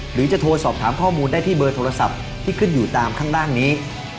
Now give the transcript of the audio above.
หรือจะโทรสอบถามข้อมูลได้ที่เบอร์โทรศัพท์ที่ขึ้นอยู่ตามข้างล่างนี้